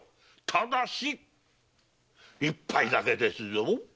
ただし一杯だけですぞ！